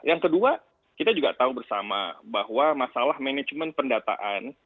yang kedua kita juga tahu bersama bahwa masalah manajemen pendataan